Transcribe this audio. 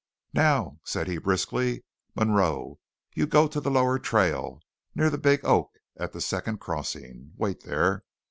"Now," said he briskly, "Munroe, you go to the lower trail, near the big oak at the second crossing. Wait there.